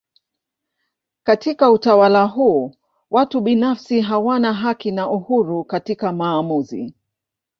Katika utawala huu watu binafsi hawana haki na uhuru katika maamuzi.